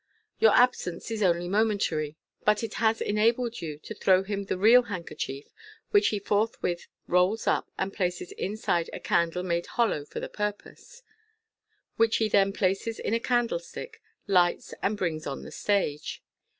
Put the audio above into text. Your absence is only momentary, but it has enabled you to throw him the real handkerchief, which he forthwith rolls up, and places inside a candle made hollow for the purpose} which he then places in a candlestick, lights, and brings on the stage.